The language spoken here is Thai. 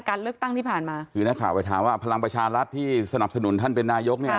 การเลือกตั้งที่ผ่านมาคือนักข่าวไปถามว่าพลังประชารัฐที่สนับสนุนท่านเป็นนายกเนี่ย